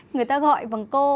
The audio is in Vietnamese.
người ta gọi bằng cô